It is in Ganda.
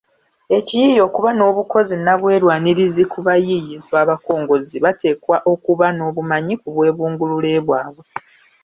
Ekiyiiye okuba n’obukozi nnabwerwanirizi ku bayiiyizwa abakongozzi bateekwa okuba n’obumanyi ku bwebungulule bwabwe.